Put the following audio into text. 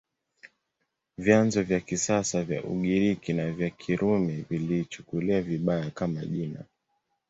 Vyanzo vya kisasa vya Ugiriki na vya Kirumi viliichukulia vibaya, kama jina.